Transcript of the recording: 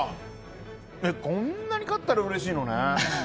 こんなに勝ったらうれしいのね。